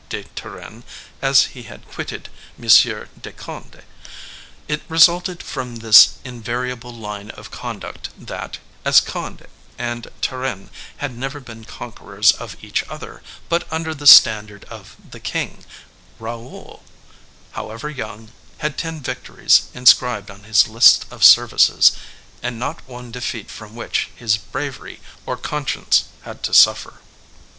de Turenne, as he had quitted M. de Conde. It resulted from this invariable line of conduct, that, as Conde and Turenne had never been conquerors of each other but under the standard of the king, Raoul, however young, had ten victories inscribed on his list of services, and not one defeat from which his bravery or conscience had to suffer.